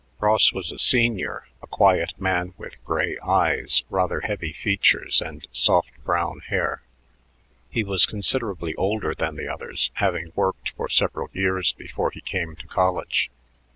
Ross was a senior, a quiet man with gray eyes, rather heavy features, and soft brown hair. He was considerably older than the others, having worked for several years before he came to college.